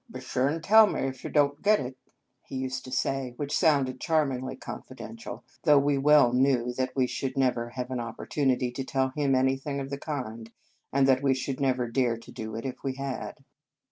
" Be sure and tell me, if you don t get it," he used to say, which sounded charmingly confidential, though we well knew that we should never have an opportunity to tell him anything of the kind, and that we should never dare to do it, if we had.